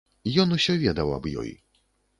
Ён усё ведаў аб ёй.